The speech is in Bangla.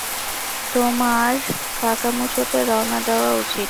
তোমার কাকামুচোতে রওনা দেওয়া উচিত।